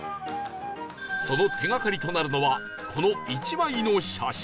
その手がかりとなるのはこの１枚の写真